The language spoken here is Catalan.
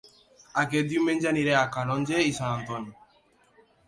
Aquest diumenge aniré a Calonge i Sant Antoni